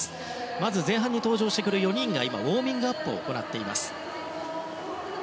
まず前半に登場してくる４人がウォーミングアップをしています。